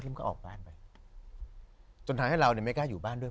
มันก็ออกบ้านไปจนทำให้เราเนี่ยไม่กล้าอยู่บ้านด้วย